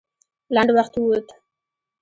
لنډ وخت ووت.